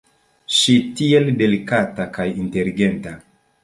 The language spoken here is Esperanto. Ŝi, tiel delikata kaj inteligenta.